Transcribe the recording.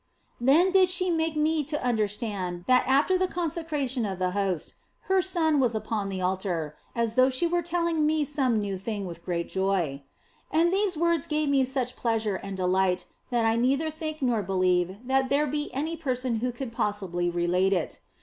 Then did she make me to understand that after the consecration of the Host, her Son was upon the altar, as though she were telling me some new thing with great joy. And these words gave me such pleasure and delight that I neither think nor believe that there be any person who could possibly relate it.